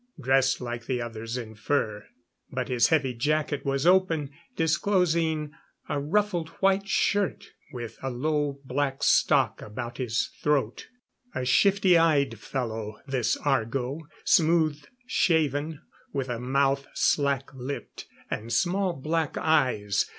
Dressed like the others in fur. But his heavy jacket was open, disclosing a ruffled white shirt, with a low black stock about his throat. A shifty eyed fellow, this Argo. Smooth shaven, with a mouth slack lipped, and small black eyes.